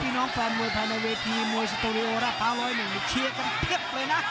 พี่น้องแฟนมวยพาณเวทีมวยสโตริโอร่าพาวร้อยมึงเชียร์กันเทียบเลยนะ